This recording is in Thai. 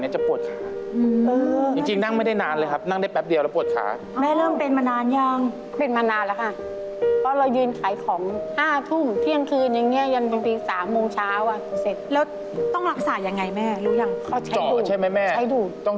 ใช้มาสมบุกสมบัญแน่นอน